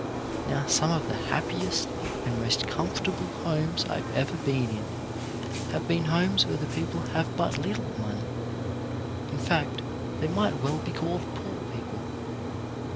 Now some of the happiest and most comfortable homes I have ever been in have been homes where the people have but little money; in fact, they might well be called poor people.